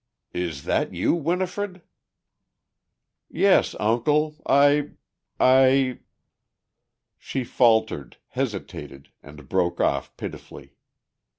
"Is that you, Winifred?" "Yes, uncle. I ... I ..." She faltered, hesitated, and broke off pitifully.